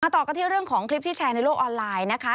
ต่อกันที่เรื่องของคลิปที่แชร์ในโลกออนไลน์นะคะ